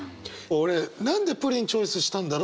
俺何でプリンチョイスしたんだろう。